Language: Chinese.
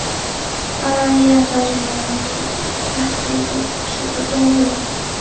澳大利亚沙群海葵为鞘群海葵科沙群海葵属的动物。